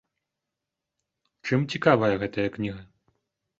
Чым цікавая гэтая кніга?